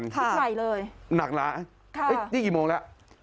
ที่ไหนเลยหนักหนานี่กี่โมงแล้ว